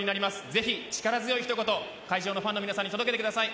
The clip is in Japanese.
ぜひ力強い一言会場のファンの皆さんに届けてください。